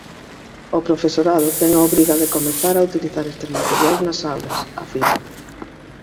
O profesorado ten a obriga de comezar a utilizar estes materiais nas aulas, afirma.